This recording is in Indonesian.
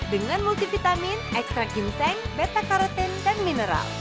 dengan multivitamin ekstrak ginseng beta karotin dan mineral